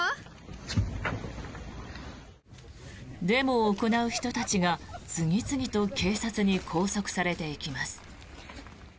デモを行う人たちが次々と警察に拘束されていきます。